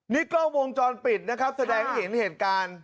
นี่กล้องวงจรปิดนะครับแสดงให้เห็นเหตุการณ์